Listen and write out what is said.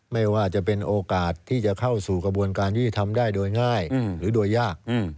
ไม่ว่าจะเป็นโอกาสที่จะเข้าสู่กระบวนการยุติธรรมได้โดยง่ายหรือโดยยาก